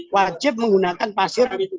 wajib menggunakan pasir